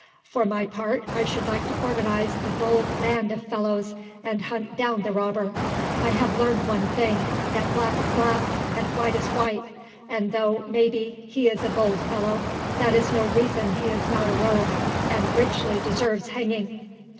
For my part, I should like to organise a bold band of fellows and hunt down the robber. I have learned one thing that black is black, and white is white; and though, maybe, he is a bold fellow, that is no reason he is not a rogue, and richly deserves hanging."